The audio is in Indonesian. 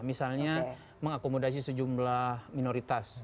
misalnya mengakomodasi sejumlah minoritas